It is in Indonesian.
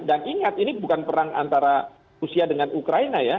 dan ingat ini bukan perang antara rusia dengan ukraina ya